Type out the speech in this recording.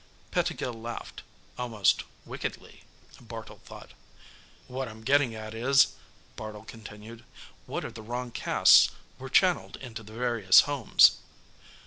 Pettigill laughed almost wickedly, Bartle thought. "What I'm getting at, is," Bartle continued, "what if the wrong 'casts were channeled into the various homes?"